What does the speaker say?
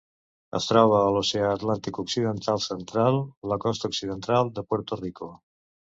Es troba a l'Oceà Atlàntic occidental central: la costa occidental de Puerto Rico.